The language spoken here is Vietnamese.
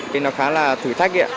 thì nó khá là thử thách đấy ạ